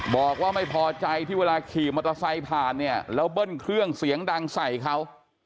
บอกว่าไม่พอใจที่เวลาขี่มอเตอร์ไซค์ผ่านเนี่ยแล้วเบิ้ลเครื่องเสียงดังใส่เขา